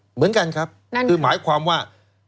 เหมือนกันครับหมายความว่า